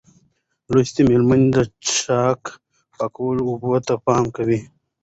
لوستې میندې د څښاک پاکو اوبو ته پام کوي.